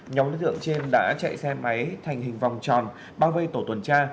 nhóm đối tượng trên đã chạy xe máy thành hình vòng tròn bao vây tổ tuần tra